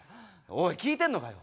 おい聞いてんのかよ！